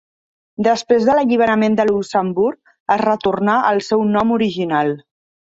Després de l'alliberament de Luxemburg es retornà al seu nom original.